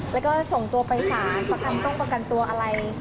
แล้วก็ส่งตัวไปสารประกันต้องประกันตัวอะไร